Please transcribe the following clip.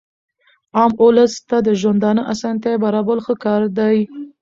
عام اولس ته د ژوندانه اسانتیاوي برابرول ښه کار دئ.